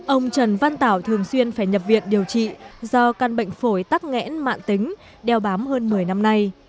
ông trần văn tảo thường xuyên phải nhập viện điều trị do căn bệnh phổi tắc nghẽn mạng tính đeo bám hơn một mươi năm nay